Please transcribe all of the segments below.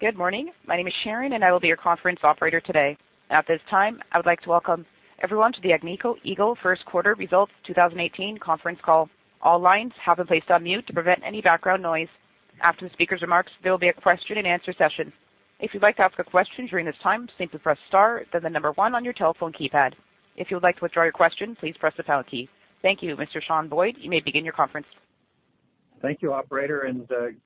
Good morning. My name is Sharon, and I will be your conference operator today. At this time, I would like to welcome everyone to the Agnico Eagle First Quarter Results 2018 conference call. All lines have been placed on mute to prevent any background noise. After the speaker's remarks, there will be a question and answer session. If you would like to ask a question during this time, simply press star, then the number 1 on your telephone keypad. If you would like to withdraw your question, please press the pound key. Thank you, Mr. Sean Boyd, you may begin your conference. Thank you, operator.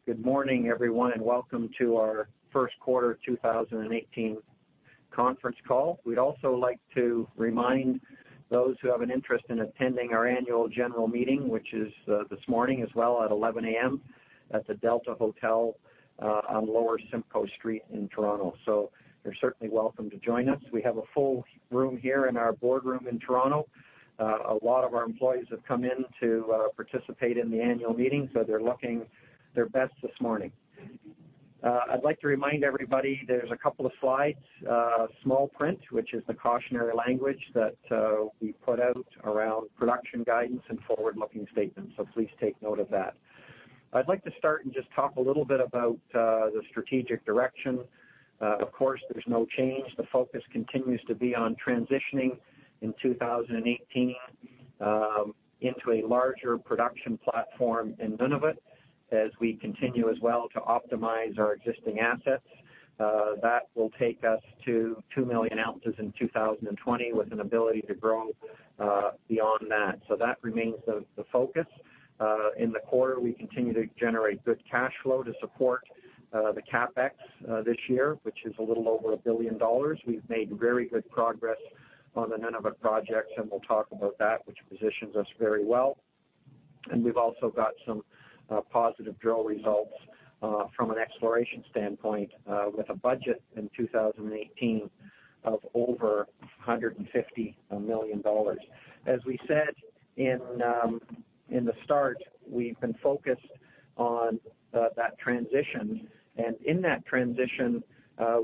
Good morning everyone, and welcome to our first quarter 2018 conference call. We would also like to remind those who have an interest in attending our annual general meeting, which is this morning as well at 11:00 A.M. at the Delta Hotel, on Lower Simcoe Street in Toronto. You are certainly welcome to join us. We have a full room here in our boardroom in Toronto. A lot of our employees have come in to participate in the annual meeting, so they are looking their best this morning. I would like to remind everybody there is a couple of slides, small print, which is the cautionary language that we put out around production guidance and forward-looking statements. Please take note of that. I would like to start and just talk a little bit about the strategic direction. Of course, there is no change. The focus continues to be on transitioning in 2018, into a larger production platform in Nunavut as we continue as well to optimize our existing assets. That will take us to 2 million ounces in 2020 with an ability to grow beyond that. That remains the focus. In the quarter, we continue to generate good cash flow to support the CapEx this year, which is a little over $1 billion. We have made very good progress on the Nunavut projects, and we will talk about that, which positions us very well. We have also got some positive drill results, from an exploration standpoint, with a budget in 2018 of over $150 million. As we said in the start, we have been focused on that transition, and in that transition,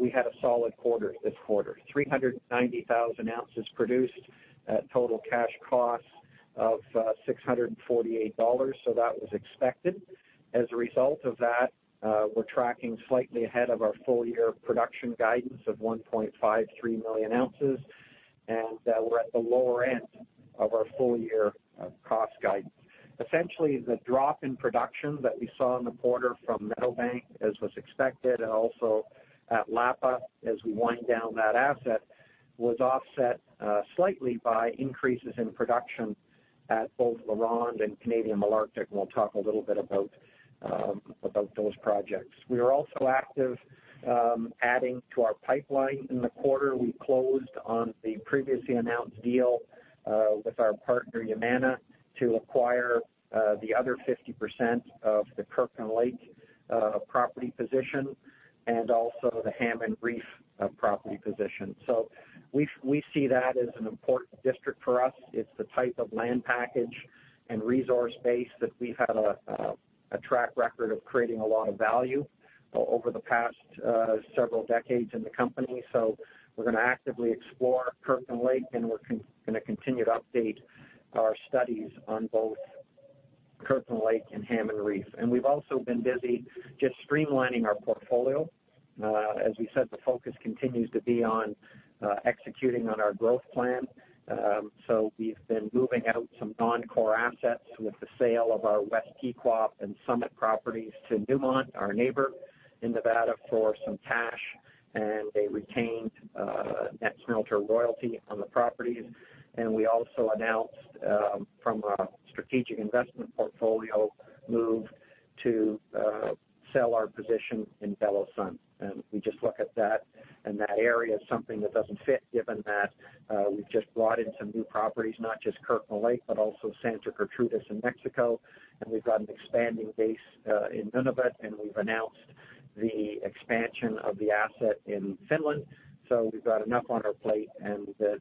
we had a solid quarter this quarter, 390,000 ounces produced at total cash costs of $648. That was expected. As a result of that, we are tracking slightly ahead of our full-year production guidance of 1.53 million ounces. We are at the lower end of our full-year cost guidance. Essentially, the drop in production that we saw in the quarter from Meadowbank as was expected, and also at Lapa as we wind down that asset, was offset slightly by increases in production at both LaRonde and Canadian Malartic, and we will talk a little bit about those projects. We are also active adding to our pipeline in the quarter. We closed on the previously announced deal with our partner Yamana to acquire the other 50% of the Kirkland Lake property position and also the Hammond Reef property position. We see that as an important district for us. It's the type of land package and resource base that we've had a track record of creating a lot of value over the past several decades in the company. We're going to actively explore Kirkland Lake, we're going to continue to update our studies on both Kirkland Lake and Hammond Reef. We've also been busy just streamlining our portfolio. As we said, the focus continues to be on executing on our growth plan. We've been moving out some non-core assets with the sale of our West Pequop and Summit properties to Newmont, our neighbor in Nevada, for some cash, and they retained a net smelter royalty on the properties. We also announced, from a strategic investment portfolio move to sell our position in Belo Sun. We just look at that and that area as something that doesn't fit, given that we've just brought in some new properties, not just Kirkland Lake, but also Santa Gertrudis in Mexico, we've got an expanding base in Nunavut, we've announced the expansion of the asset in Finland. We've got enough on our plate,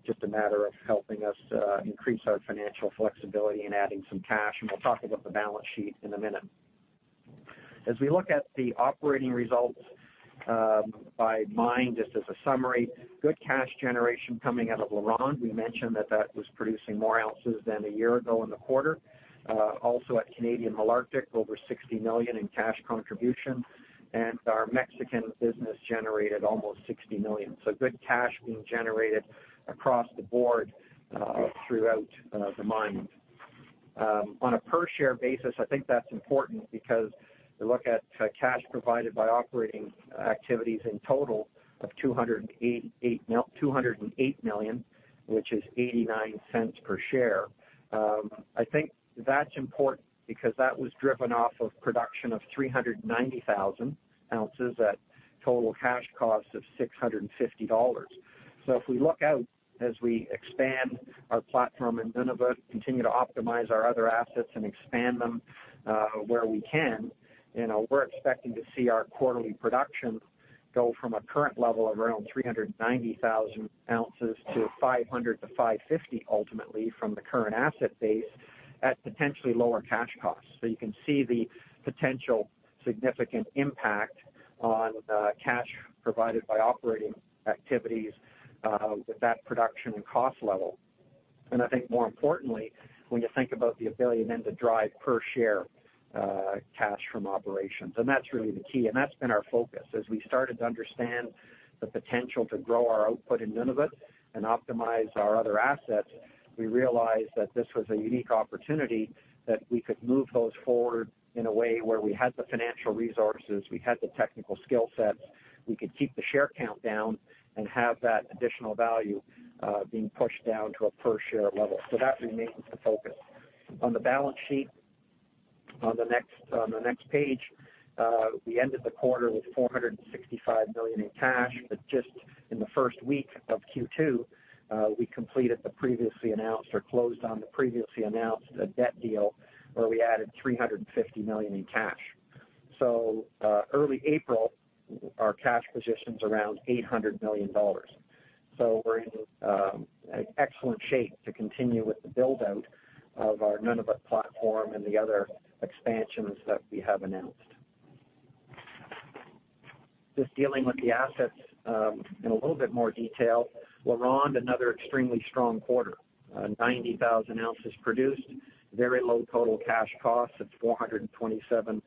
just a matter of helping us increase our financial flexibility and adding some cash, we'll talk about the balance sheet in a minute. As we look at the operating results by mine, just as a summary, good cash generation coming out of LaRonde. We mentioned that that was producing more ounces than a year ago in the quarter. Also at Canadian Malartic, over $60 million in cash contribution, our Mexican business generated almost $60 million. Good cash being generated across the board throughout the mines. On a per-share basis, I think that's important because you look at cash provided by operating activities in total of $208 million, which is $0.89 per share. I think that's important because that was driven off of production of 390,000 ounces at total cash costs of $650. If we look out as we expand our platform in Nunavut, continue to optimize our other assets and expand them where we can, we're expecting to see our quarterly production go from a current level of around 390,000 ounces to 500,000-550,000 ultimately from the current asset base at potentially lower cash costs. You can see the potential significant impact on cash provided by operating activities with that production and cost level. I think more importantly, when you think about the ability then to drive per share cash from operations, that's really the key, that's been our focus. As we started to understand the potential to grow our output in Nunavut and optimize our other assets, we realized that this was a unique opportunity that we could move those forward in a way where we had the financial resources, we had the technical skill sets, we could keep the share count down and have that additional value, being pushed down to a per share level. That remains the focus. On the balance sheet, on the next page, we ended the quarter with $465 million in cash, but just in the first week of Q2, we completed the previously announced or closed on the previously announced, debt deal where we added $350 million in cash. Early April, our cash position's around $800 million. We're in excellent shape to continue with the build-out of our Nunavut platform and the other expansions that we have announced. Just dealing with the assets, in a little bit more detail. LaRonde, another extremely strong quarter, 90,000 ounces produced, very low total cash costs at $427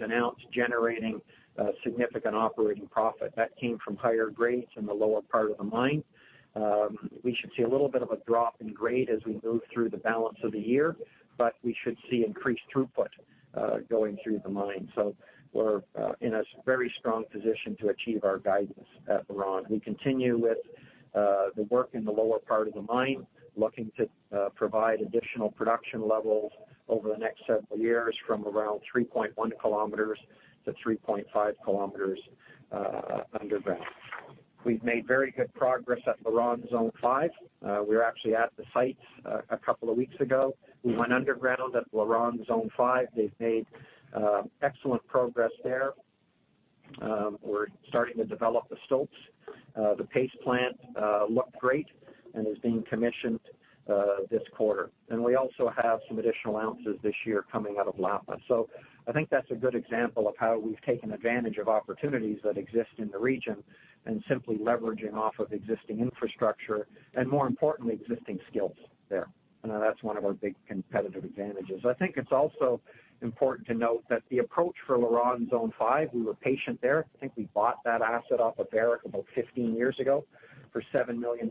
an ounce, generating significant operating profit. That came from higher grades in the lower part of the mine. We should see a little bit of a drop in grade as we move through the balance of the year, we should see increased throughput going through the mine. We're in a very strong position to achieve our guidance at LaRonde. We continue with the work in the lower part of the mine, looking to provide additional production levels over the next several years from around 3.1 kilometers to 3.5 kilometers underground. We've made very good progress at LaRonde Zone 5. We were actually at the site a couple of weeks ago. We went underground at LaRonde Zone 5. They've made excellent progress there. We're starting to develop the stopes. The paste plant looked great and is being commissioned this quarter. We also have some additional ounces this year coming out of Lapa. I think that's a good example of how we've taken advantage of opportunities that exist in the region and simply leveraging off of existing infrastructure and more importantly, existing skills there. That's one of our big competitive advantages. I think it's also important to note that the approach for LaRonde Zone 5, we were patient there. I think we bought that asset off of Barrick about 15 years ago for 7 million Canadian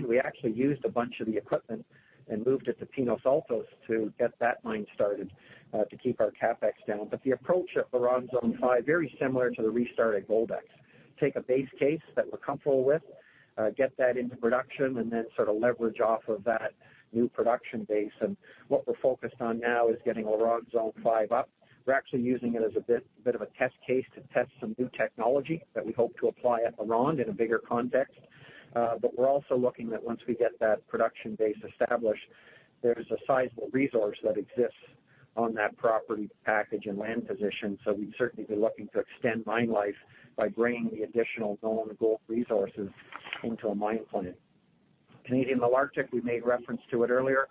dollars. We actually used a bunch of the equipment and moved it to Pinos Altos to get that mine started, to keep our CapEx down. The approach at LaRonde Zone 5, very similar to the restart at Goldex. Take a base case that we're comfortable with, get that into production, then sort of leverage off of that new production base. What we're focused on now is getting LaRonde Zone 5 up. We're actually using it as a bit of a test case to test some new technology that we hope to apply at LaRonde in a bigger context. We're also looking that once we get that production base established, there's a sizable resource that exists on that property package and land position. We'd certainly be looking to extend mine life by bringing the additional known gold resources into a mine plan. Canadian Malartic, we made reference to it earlier,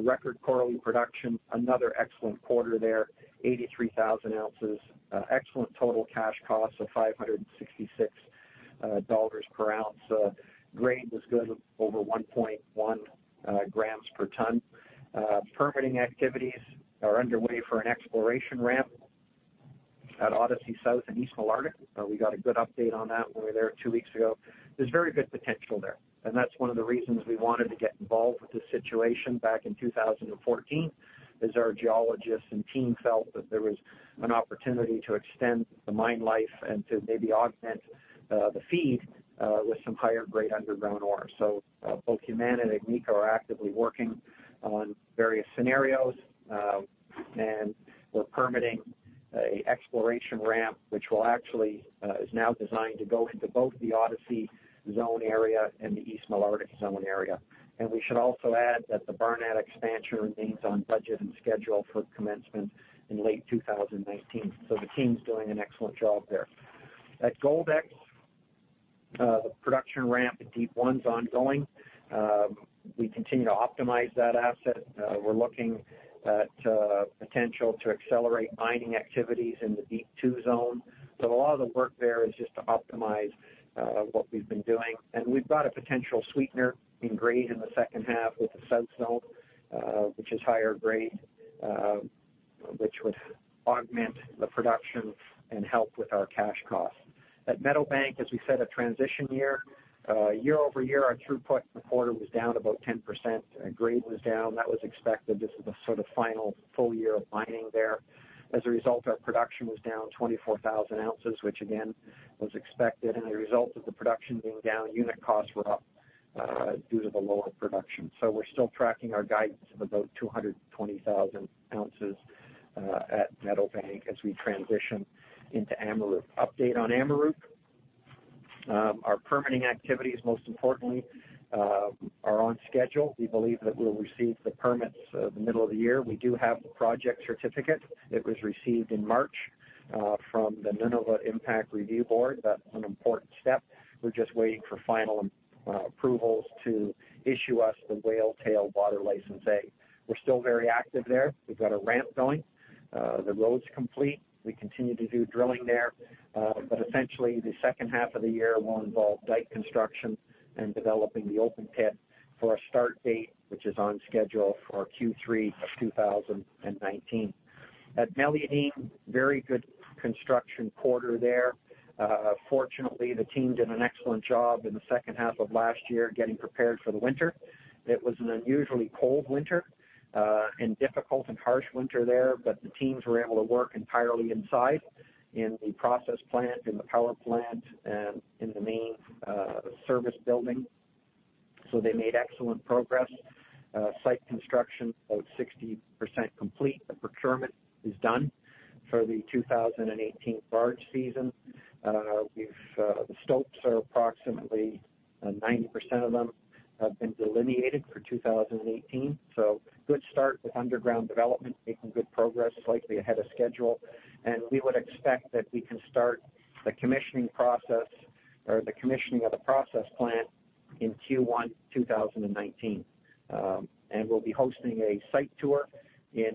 record quarterly production, another excellent quarter there, 83,000 ounces. Excellent total cash cost of $566 per ounce. Grade was good, over 1.1 grams per ton. Permitting activities are underway for a exploration ramp at Odyssey South and East Malartic. We got a good update on that when we were there two weeks ago. There's very good potential there, that's one of the reasons we wanted to get involved with this situation back in 2014, is our geologists and team felt that there was an opportunity to extend the mine life and to maybe augment the feed with some higher grade underground ore. Both Yamana and Agnico are actively working on various scenarios, we're permitting a exploration ramp, which is now designed to go into both the Odyssey Zone area and the East Malartic Zone area. We should also add that the Barnat expansion remains on budget and schedule for commencement in late 2019. The team's doing an excellent job there. At Goldex, the production ramp at Deep 1's ongoing. We continue to optimize that asset. We're looking at potential to accelerate mining activities in the Deep 2 zone. A lot of the work there is just to optimize what we've been doing. We've got a potential sweetener in grade in the second half with the sub-stope, which is higher grade, which would augment the production and help with our cash costs. At Meadowbank, as we said, a transition year. Year-over-year, our throughput in the quarter was down about 10%. Grade was down. That was expected. This is the sort of final full year of mining there. As a result, our production was down 24,000 ounces, which again, was expected. The result of the production being down, unit costs were up, due to the lower production. We're still tracking our guidance of about 220,000 ounces at Meadowbank as we transition into Amaruq. Update on Amaruq. Our permitting activities, most importantly, are on schedule. We believe that we'll receive the permits the middle of the year. We do have the project certificate that was received in March from the Nunavut Impact Review Board. That's an important step. We're just waiting for final approvals to issue us the Whale Tail Water Licence A. We're still very active there. We've got a ramp going. The road's complete. We continue to do drilling there. Essentially, the second half of the year will involve dike construction and developing the open pit for a start date, which is on schedule for Q3 of 2019. At Meliadine, very good construction quarter there. Fortunately, the team did an excellent job in the second half of last year getting prepared for the winter. It was an unusually cold winter and difficult and harsh winter there, but the teams were able to work entirely inside in the process plant, in the power plant, and in the main service building. They made excellent progress. Site construction, about 60% complete. The procurement is done for the 2018 barge season. The stopes are approximately 90% of them have been delineated for 2018. Good start with underground development, making good progress, slightly ahead of schedule. We would expect that we can start the commissioning of the process plant in Q1 2019. We'll be hosting a site tour in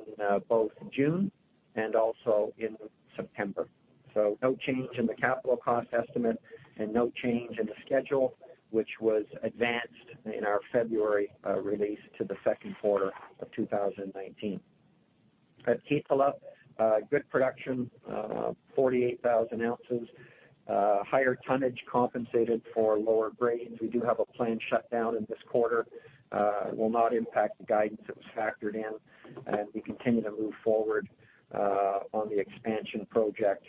both June and also in September. No change in the capital cost estimate and no change in the schedule, which was advanced in our February release to the second quarter of 2019. At Kittila, good production, 48,000 ounces. Higher tonnage compensated for lower grades. We do have a planned shutdown in this quarter. It will not impact the guidance that was factored in, and we continue to move forward on the expansion project,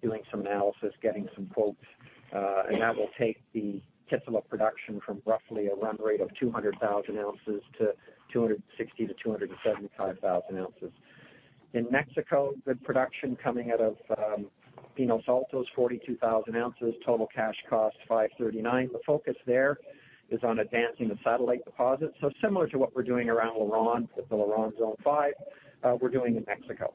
doing some analysis, getting some quotes, and that will take the Kittila production from roughly a run rate of 200,000 ounces to 260,000-275,000 ounces. In Mexico, good production coming out of Pinos Altos, 42,000 ounces. Total cash cost, $539. The focus there is on advancing the satellite deposits. Similar to what we're doing around LaRonde with the LaRonde Zone 5, we're doing in Mexico.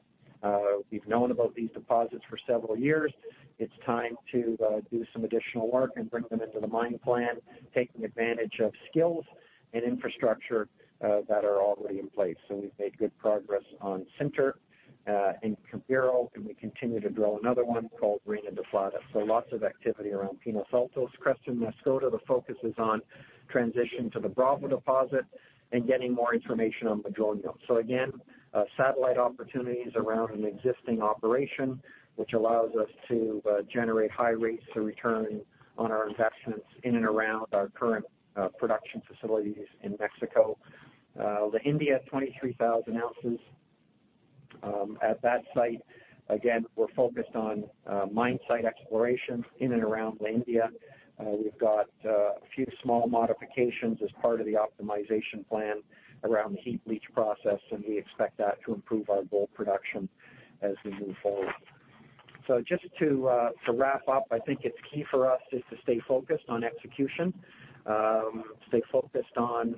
We've known about these deposits for several years. It's time to do some additional work and bring them into the mine plan, taking advantage of skills and infrastructure that are already in place. We've made good progress on Sinter and Quero, and we continue to drill another one called Reina de Plata. Lots of activity around Pinos Altos. Creston Mascota, the focus is on transition to the Bravo deposit and getting more information on Madroño. Again, satellite opportunities around an existing operation, which allows us to generate high rates of return on our investments in and around our current production facilities in Mexico. La India, 23,000 ounces. At that site, again, we're focused on mine site exploration in and around La India. We've got a few small modifications as part of the optimization plan around the heap leach process, and we expect that to improve our gold production as we move forward. Just to wrap up, I think it's key for us is to stay focused on execution, stay focused on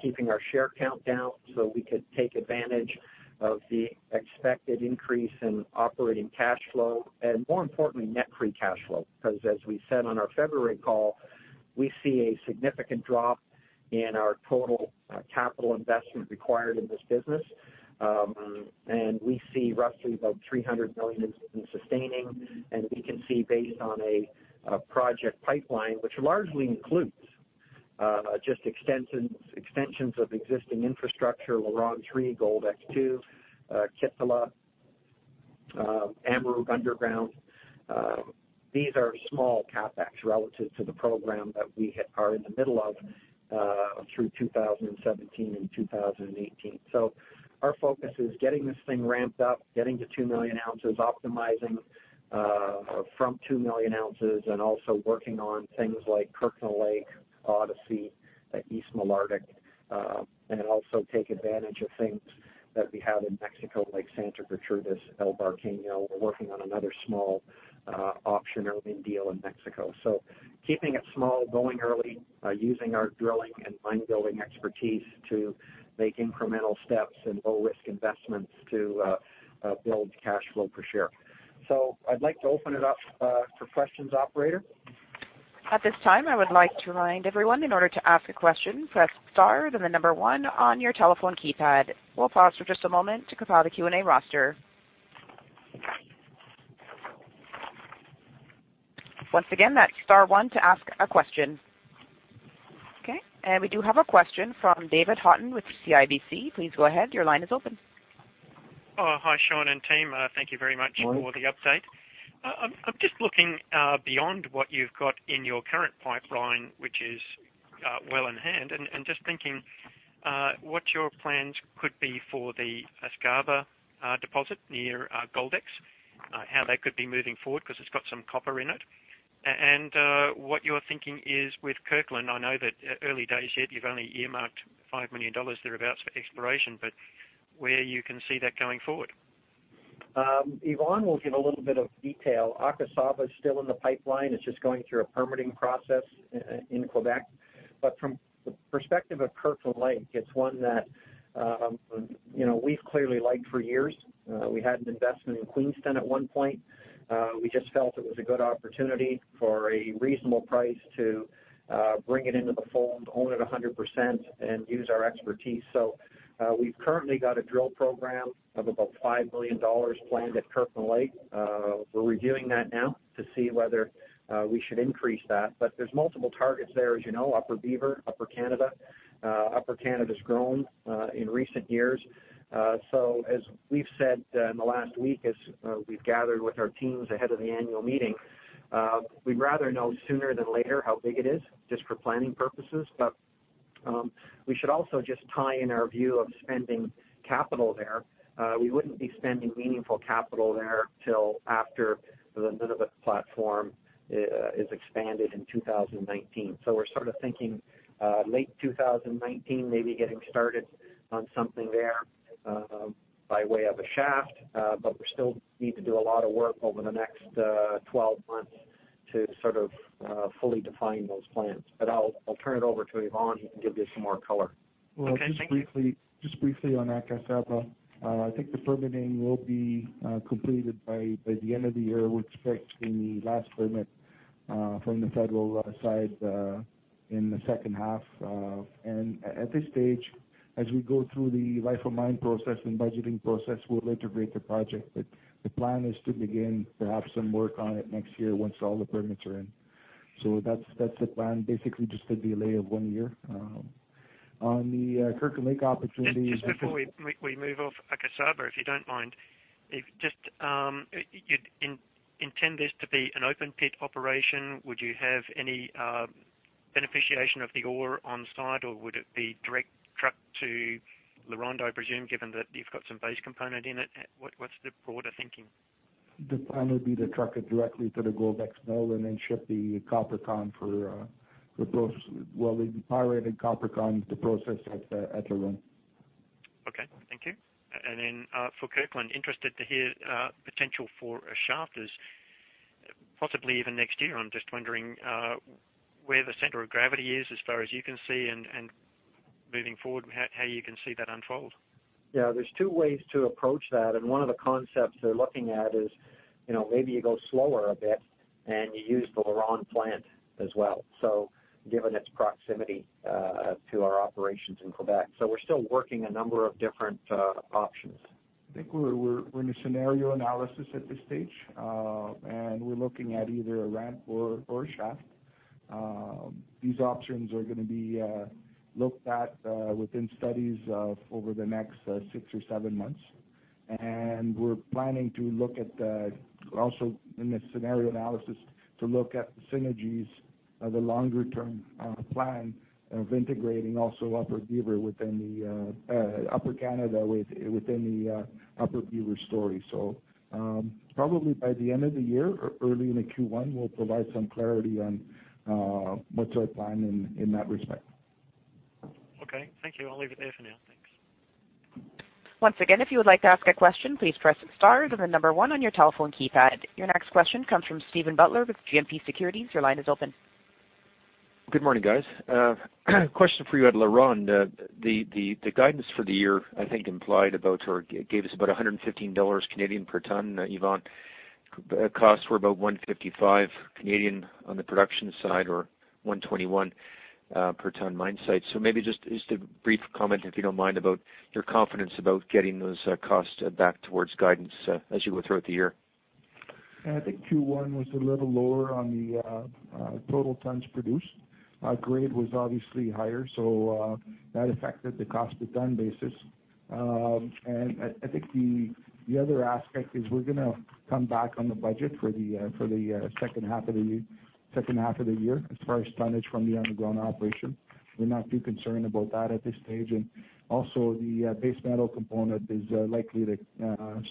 keeping our share count down so we could take advantage of the expected increase in operating cash flow and more importantly, net free cash flow. As we said on our February call, we see a significant drop in our total capital investment required in this business. We see roughly about $300 million in sustaining, and we can see based on a project pipeline, which largely includes just extensions of existing infrastructure, LaRonde 3, Goldex 2, Kittila, Amaruq underground. These are small CapEx relative to the program that we are in the middle of through 2017 and 2018. Our focus is getting this thing ramped up, getting to 2 million ounces, optimizing from 2 million ounces, and also working on things like Kirkland Lake, Odyssey, East Malartic, and also take advantage of things that we have in Mexico like Santa Gertrudis, El Barqueño. We're working on another small option earning deal in Mexico. Keeping it small, going early, using our drilling and mine building expertise to make incremental steps and low risk investments to build cash flow per share. I'd like to open it up for questions, operator. At this time, I would like to remind everyone, in order to ask a question, press star, then 1 on your telephone keypad. We'll pause for just a moment to compile the Q&A roster. Once again, that's star 1 to ask a question. We do have a question from David Haughton with CIBC. Please go ahead. Your line is open. Hi, Sean and team. Thank you very much for the update. Hi. I'm just looking beyond what you've got in your current pipeline, which is well in hand, and just thinking what your plans could be for the Akasaba deposit near Goldex, how that could be moving forward because it's got some copper in it. What your thinking is with Kirkland. I know that early days yet, you've only earmarked $5 million thereabouts for exploration, but where you can see that going forward? Yvon will give a little bit of detail. Akasaba is still in the pipeline. It's just going through a permitting process in Quebec. From the perspective of Kirkland Lake, it's one that we've clearly liked for years. We had an investment in Queenston at one point. We just felt it was a good opportunity for a reasonable price to bring it into the fold, own it 100%, and use our expertise. We've currently got a drill program of about $5 million planned at Kirkland Lake. We're reviewing that now to see whether we should increase that. There's multiple targets there, as you know, Upper Beaver, Upper Canada. Upper Canada's grown in recent years. As we've said in the last week, as we've gathered with our teams ahead of the annual meeting, we'd rather know sooner than later how big it is, just for planning purposes. We should also just tie in our view of spending capital there. We wouldn't be spending meaningful capital there till after the Nunavut platform is expanded in 2019. We're sort of thinking late 2019, maybe getting started on something there by way of a shaft. We still need to do a lot of work over the next 12 months to sort of fully define those plans. I'll turn it over to Yvon, who can give you some more color. Okay, thank you. Well, just briefly on Akasaba. I think the permitting will be completed by the end of the year. We're expecting the last permit from the federal side in the second half. At this stage, as we go through the life of mine process and budgeting process, we'll integrate the project. The plan is to begin perhaps some work on it next year once all the permits are in. That's the plan. Basically just a delay of one year. On the Kirkland Lake opportunity- Just before we move off Akasaba, if you don't mind, you intend this to be an open pit operation. Would you have any beneficiation of the ore on site, or would it be direct truck to LaRonde, I presume, given that you've got some base component in it? What's the broader thinking? The plan would be to truck it directly to the Goldex mill and then ship the copper con for those, well, the pyrite copper concentrate to process at LaRonde. Okay, thank you. For Kirkland, interested to hear potential for a shaft is possibly even next year. I'm just wondering where the center of gravity is as far as you can see, moving forward, how you can see that unfold. Yeah. There's two ways to approach that, one of the concepts they're looking at is maybe you go slower a bit and you use the LaRonde plant as well. Given its proximity to our operations in Quebec. We're still working a number of different options. I think we're in a scenario analysis at this stage, we're looking at either a ramp or a shaft. These options are going to be looked at within studies over the next six or seven months, we're planning to look at the, also in this scenario analysis, to look at the synergies of the longer-term plan of integrating also Upper Canada within the Upper Beaver story. Probably by the end of the year, early into Q1, we'll provide some clarity on what's our plan in that respect. Okay, thank you. I'll leave it there for now. Thanks. Once again, if you would like to ask a question, please press star, then the number one on your telephone keypad. Your next question comes from Steven Butler with GMP Securities. Your line is open. Good morning, guys. Question for you at LaRonde. The guidance for the year, I think, implied about, or gave us about 115 Canadian dollars per ton, Yvon. Costs were about 155 on the production side or 121 per ton mine site. Maybe just a brief comment, if you don't mind, about your confidence about getting those costs back towards guidance as you go throughout the year. I think Q1 was a little lower on the total tons produced. Our grade was obviously higher, That affected the cost to ton basis. I think the other aspect is we're going to come back on the budget for the second half of the year as far as tonnage from the underground operation. We're not too concerned about that at this stage. Also, the base metal component is likely to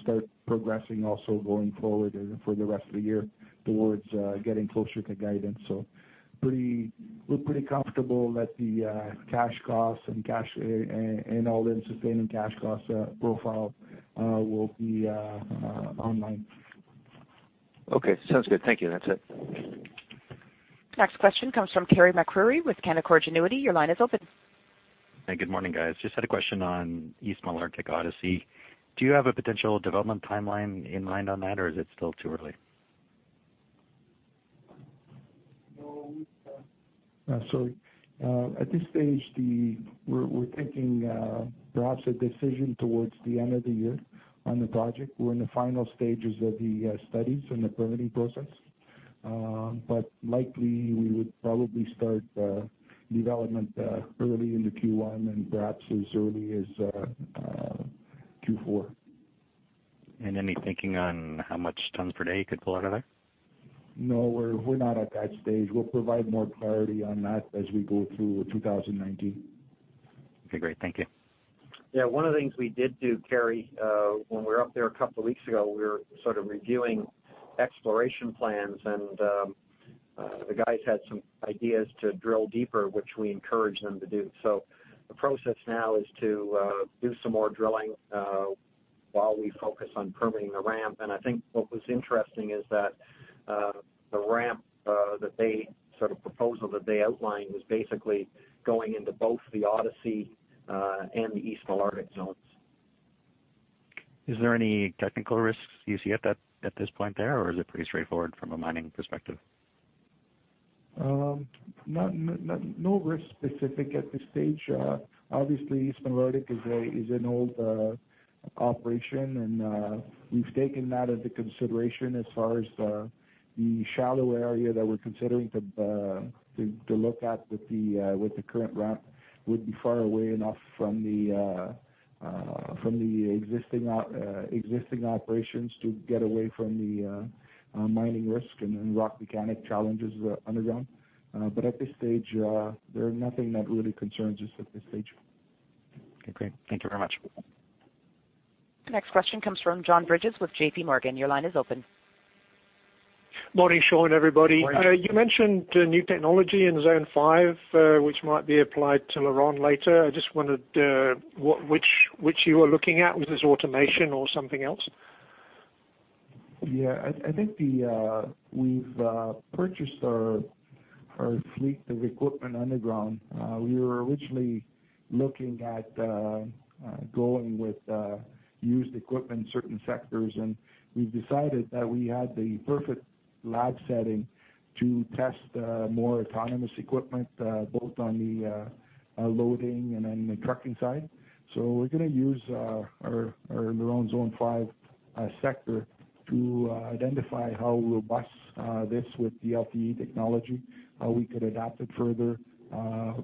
start progressing also going forward for the rest of the year towards getting closer to guidance. We're pretty comfortable that the cash costs and all-in sustaining cash costs profile will be online. Okay, sounds good. Thank you. That's it. Next question comes from Carey MacRury with Canaccord Genuity. Your line is open. Hey, good morning, guys. Just had a question on East Malartic Odyssey. Do you have a potential development timeline in mind on that, or is it still too early? No, we don't. Sorry. At this stage, we're thinking perhaps a decision towards the end of the year on the project. We're in the final stages of the studies and the permitting process. Likely, we would probably start development early into Q1 and perhaps as early as Q4. Any thinking on how much tons per day you could pull out of there? No, we are not at that stage. We will provide more clarity on that as we go through 2019. Okay, great. Thank you. Yeah, one of the things we did do, Carey, when we were up there a couple of weeks ago, we were sort of reviewing exploration plans, and the guys had some ideas to drill deeper, which we encouraged them to do. The process now is to do some more drilling while we focus on permitting the ramp. I think what was interesting is that the ramp, the sort of proposal that they outlined was basically going into both the Odyssey and the East Malartic zones. Is there any technical risks you see at this point there, or is it pretty straightforward from a mining perspective? No risk specific at this stage. Obviously, East Malartic is an old operation, we've taken that into consideration as far as the shallow area that we're considering to look at with the current ramp would be far away enough from the existing operations to get away from the mining risk and rock mechanic challenges underground. At this stage, there are nothing that really concerns us at this stage. Okay. Thank you very much. The next question comes from John Bridges with J.P. Morgan. Your line is open. Morning, Sean, everybody. Morning. You mentioned new technology in Zone 5, which might be applied to LaRonde later. I just wondered which you were looking at. Was this automation or something else? I think we've purchased our fleet of equipment underground. We were originally looking at going with used equipment, certain sectors, and we've decided that we had the perfect lab setting to test more autonomous equipment, both on the loading and then the trucking side. We're going to use our LaRonde Zone 5 sector to identify how robust this with the LTE technology, how we could adapt it further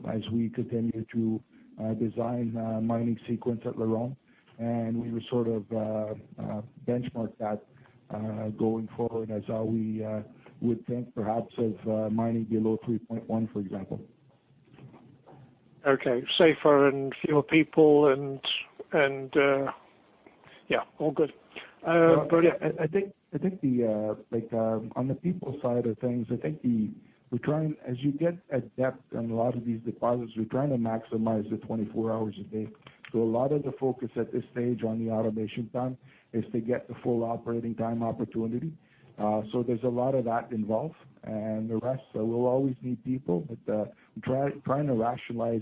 as we continue to design mining sequence at LaRonde. We would sort of benchmark that going forward as how we would think perhaps of mining below 3.1, for example. Safer and fewer people. Yeah, all good. I think on the people side of things, I think as you get at depth on a lot of these deposits, we're trying to maximize the 24 hours a day. A lot of the focus at this stage on the automation front is to get the full operating time opportunity. There's a lot of that involved, and the rest, we'll always need people, but trying to rationalize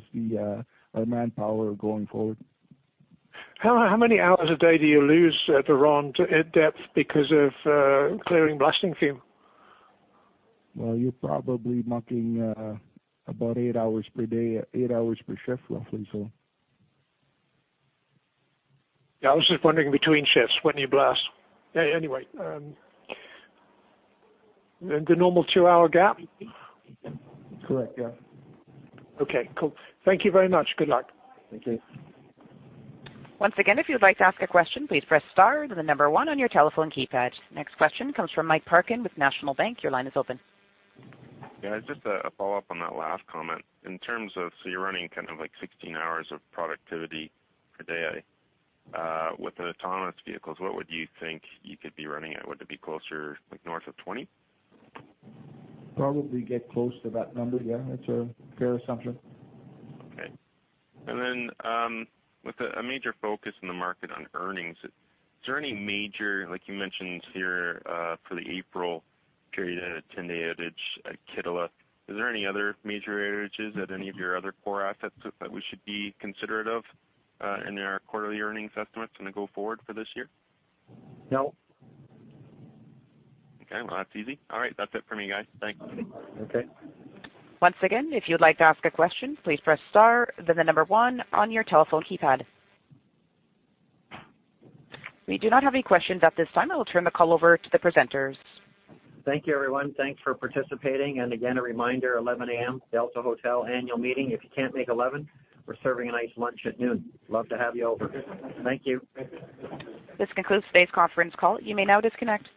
our manpower going forward. How many hours a day do you lose at LaRonde at depth because of clearing blasting fume? Well, you're probably marking about eight hours per day, eight hours per shift, roughly, so. Yeah, I was just wondering between shifts when you blast. Anyway, the normal two-hour gap? Correct. Yeah. Okay, cool. Thank you very much. Good luck. Thank you. Once again, if you would like to ask a question, please press star, then the number one on your telephone keypad. Next question comes from Mike Parkin with National Bank. Your line is open. Yeah, just a follow-up on that last comment. In terms of, you're running kind of like 16 hours of productivity per day. With an autonomous vehicles, what would you think you could be running at? Would it be closer like north of 20? Probably get close to that number. Yeah, that's a fair assumption. Okay. With a major focus in the market on earnings, is there any major, like you mentioned here, for the April period had a 10-day outage at Kittila? Is there any other major outages at any of your other core assets that we should be considerate of in our quarterly earnings estimates going to go forward for this year? No. Okay. Well, that's easy. All right. That's it for me, guys. Thanks. Okay. Once again, if you'd like to ask a question, please press star, then the number one on your telephone keypad. We do not have any questions at this time. I will turn the call over to the presenters. Thank you, everyone. Thanks for participating, and again, a reminder, 11:00 A.M., Delta Hotel Annual Meeting. If you can't make 11, we're serving a nice lunch at noon. Love to have you over. Thank you. This concludes today's conference call. You may now disconnect.